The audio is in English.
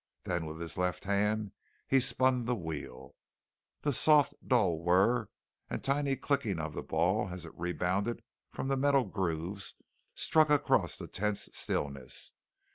Then with his left hand he spun the wheel. The soft, dull whir and tiny clicking of the ball as it rebounded from the metal grooves struck across the tense stillness.